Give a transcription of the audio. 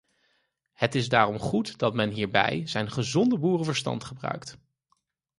Het is daarom goed dat men hierbij zijn gezonde boerenverstand gebruikt.